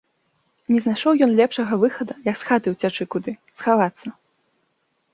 Не знайшоў ён лепшага выхаду, як з хаты ўцячы куды, схавацца.